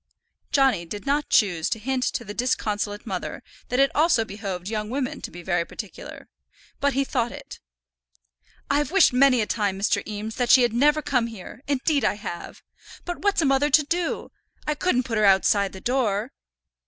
Johnny did not choose to hint to the disconsolate mother that it also behoved young women to be very particular, but he thought it. "I've wished many a time, Mr. Eames, that she had never come here; indeed I have. But what's a mother to do? I couldn't put her outside the door."